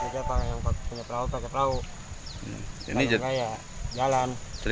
yang punya perahu pakai perahu